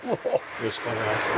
よろしくお願いします。